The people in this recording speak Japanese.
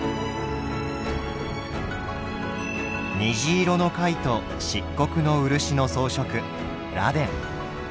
虹色の貝と漆黒の漆の装飾螺鈿。